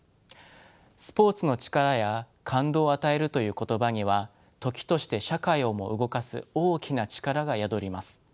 「スポーツの力」や「感動を与える」という言葉には時として社会をも動かす大きな力が宿ります。